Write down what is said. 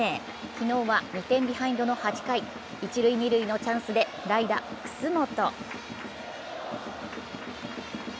昨日は２点ビハインドの８回、一・二塁のチャンスで代打・楠本。